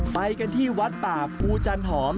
ไปกันที่วัดป่าภูจันหอม